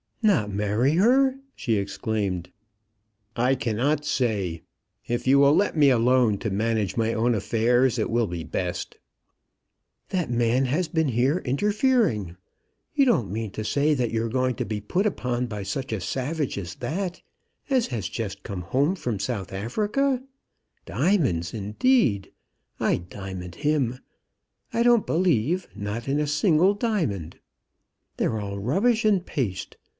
"Not marry her!" she exclaimed. "I cannot say. If you will let me alone to manage my own affairs, it will be best." "That man has been here interfering. You don't mean to say that you're going to be put upon by such a savage as that, as has just come home from South Africa. Diamonds, indeed! I'd diamond him! I don't believe, not in a single diamond. They're all rubbish and paste.